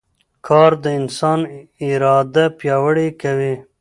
کار د انسان اراده پیاوړې کوي